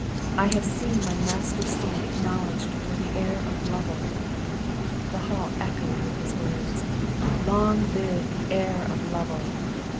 I have seen my master's son acknowledged for the heir of Lovel!" The hall echoed with his words, "Long live the heir of Lovel!"